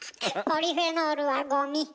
ポリフェノールはゴミ。